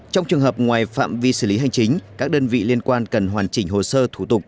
trong trường hợp ngoài phạm vi xử lý hành chính các đơn vị liên quan cần hoàn chỉnh hồ sơ thủ tục